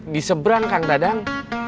di seberang kang dadang